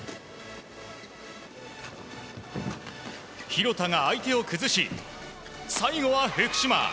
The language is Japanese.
廣田が相手を崩し、最後は福島。